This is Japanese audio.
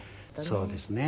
そうですね。